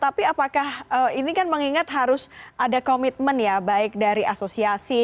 tapi apakah ini kan mengingat harus ada komitmen ya baik dari asosiasi